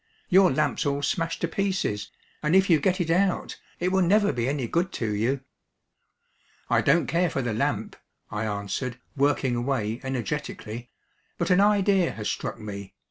Your lamp's all smashed to pieces, and if you get it out, it will never be any good to you." "I don't care for the lamp," I answered, working away energetically, "but an idea has struck me.